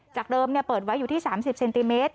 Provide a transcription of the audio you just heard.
จากเดิมเปิดไว้อยู่ที่๓๐เซนติเมตร